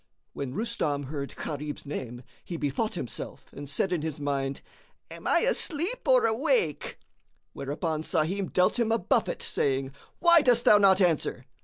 When Rustam heard Gharib's name, he bethought himself and said in his mind, "Am I asleep or awake?" Whereupon Sahim dealt him a buffet, saying, "Why dost thou not answer?"